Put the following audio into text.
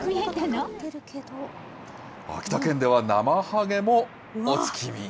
秋田県ではなまはげもお月見。